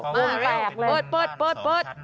มาแล้วเปิด